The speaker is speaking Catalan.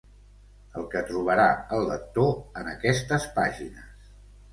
El que trobarà el lector en aquestes pàgines